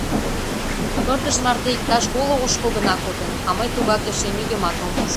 Пырдыж марте иктаж коло ошкыл гына кодын, а мый тугак эше нигӧмат ом уж.